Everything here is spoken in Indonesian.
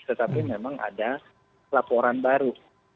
tetapi memang ada laporan baru